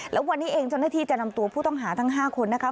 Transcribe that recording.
แล้ววันนี้เองเจ้าหน้าที่จะนำตัวผู้ต้องหาทั้ง๕คนนะคะ